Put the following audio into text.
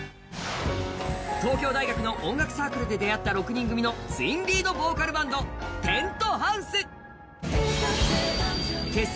東京大学の音楽サークルで出会った６人組のツインリードボーカルバンド結成